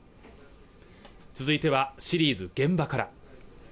続いてはシリーズ「現場から」